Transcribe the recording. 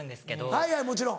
はいはいもちろん。